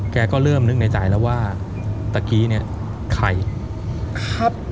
แกก็เริ่มนึกในใจแล้วว่าตะกี้เนี่ยใครครับ